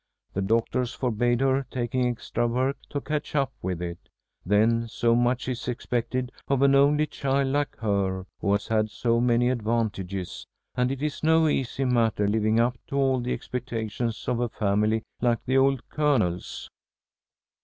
The doctors forbade her taking extra work to catch up with it. Then so much is expected of an only child like her, who has had so many advantages, and it is no easy matter living up to all the expectations of a family like the old Colonel's."